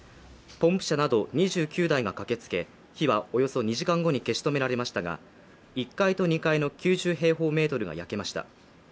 ポンプ車など２９台が駆けつけ、火はおよそ２時間後に消し止められましたが、１階と２階の９０平方メートルが焼けました。